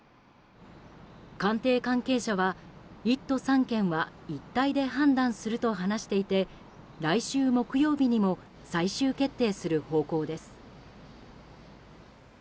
官邸関係者は、１都３県は一体で判断すると話していて来週木曜日にも最終決定する方向です。